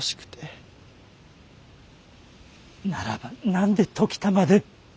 ならば何で時田まで。